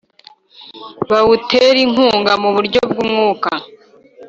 Bawutere inkunga mu buryo bw’ umwuka